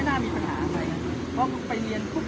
ตอนนี้กำหนังไปคุยของผู้สาวว่ามีคนละตบ